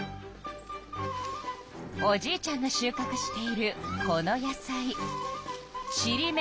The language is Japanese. おじいちゃんがしゅうかくしているこの野菜